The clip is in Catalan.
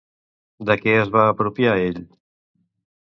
De què es va apropiar ell?